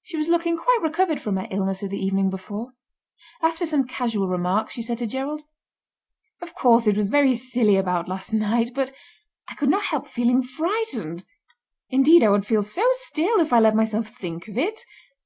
She was looking quite recovered from her illness of the evening before. After some casual remarks, she said to Gerald: "Of course it was very silly about last night, but I could not help feeling frightened. Indeed I would feel so still if I let myself think of it.